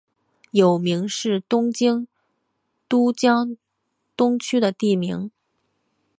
有明是东京都江东区的地名。